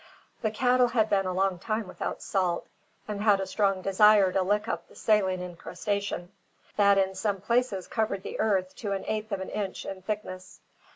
The cattle had been a long time without salt, and had a strong desire to lick up the saline incrustation, that in some places covered the earth to an eighth of an inch in thickness.